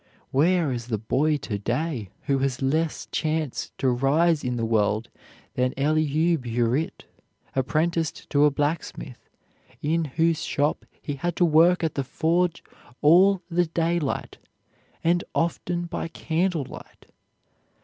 Where is the boy to day who has less chance to rise in the world than Elihu Burritt, apprenticed to a blacksmith, in whose shop he had to work at the forge all the daylight, and often by candle light?